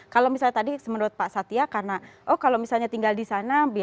kalau misalnya tadi menurut pak satya karena oh kalau misalnya tinggal di sana biaya kuliahnya lebih tinggi gitu ya